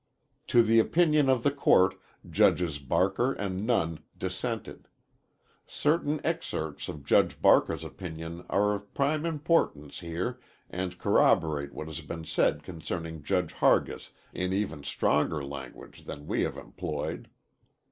To the opinion of the court Judges Barker and Nunn dissented. Certain excerpts of Judge Barker's opinion are of prime importance here and corroborate what has been said concerning Judge Hargis in even stronger language than we have employed.